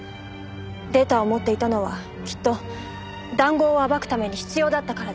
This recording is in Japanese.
データを持っていたのはきっと談合を暴くために必要だったからです。